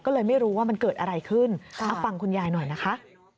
ก็เลยไม่รู้ว่ามันเกิดอะไรขึ้นเอาฟังคุณยายหน่อยนะคะ